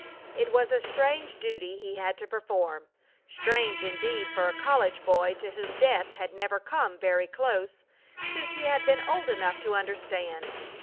It was a strange duty he had to perform, strange indeed for a college boy to whom death had never come very close since he had been old enough to understand.